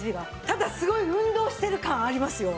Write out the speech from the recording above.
ただすごい運動してる感ありますよ！